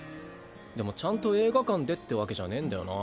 でもちゃんと映画館でってわけじゃねぇんだよな。